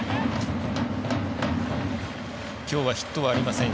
きょうはヒットはありません。